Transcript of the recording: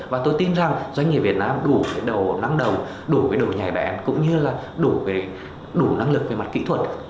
và tôi tin rằng doanh nghiệp việt nam đủ năng lực về mặt kỹ thuật